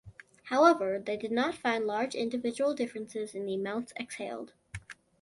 However, they did not find large individual differences in the amounts exhaled.